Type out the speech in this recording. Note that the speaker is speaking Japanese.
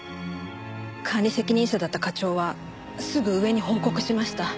管理責任者だった課長はすぐ上に報告しました。